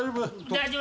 大丈夫。